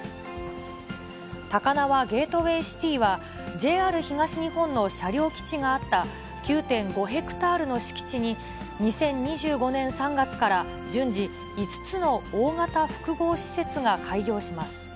タカナワ・ゲートウェイ・シティは、ＪＲ東日本の車両基地があった９．５ヘクタールの敷地に、２０２５年３月から順次、５つの大型複合施設が開業します。